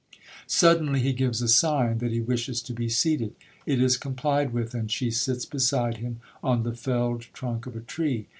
'Suddenly he gives a sign that he wishes to be seated—it is complied with, and she sits beside him on the felled trunk of a tree.